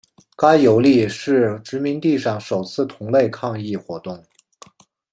该游利是殖民地上首次同类抗议活动。